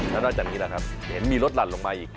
แล้วนอกจากนี้แหละครับเห็นมีรถหลั่นลงมาอีก